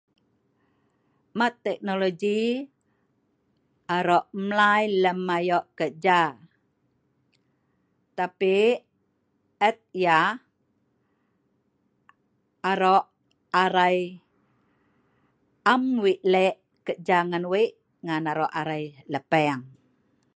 Mat teknoloji aro mlei lem ayo' kerja. Tapi' eet ieh aro' arai am wei' le' kerja ngaen wei ngaen arai aro' le'peng